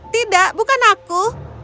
tidak bukan aku